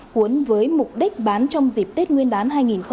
cuốn với mục đích bán trong dịp tết nguyên đán hai nghìn hai mươi